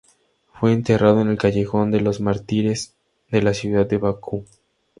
Fue enterrado en el Callejón de los Mártires de la ciudad de Bakú.